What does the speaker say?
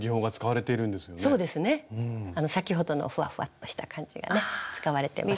先ほどのふわふわっとした感じがね使われてます。